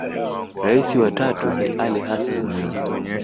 Rais wa tatu ni Ally Hassan Mwinyi